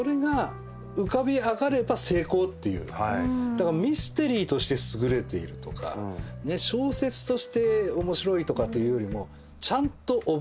だからミステリーとして優れているとか小説として面白いとかというよりも。